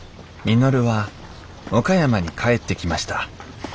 稔は岡山に帰ってきました。